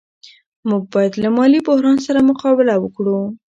موږ باید له مالي بحران سره مقابله وکړو.